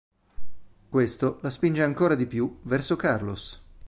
Questo la spinge ancora di più verso Carlos.